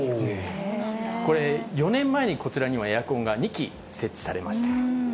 これ、４年前に、こちらにはエアコンが２基設置されました。